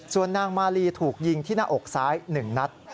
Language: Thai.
ส่วนนางมาลีถูกยิงที่หน้าอกซ้าย๑นัด